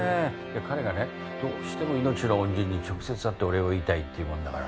彼がねどうしても命の恩人に直接会ってお礼を言いたいって言うもんだから。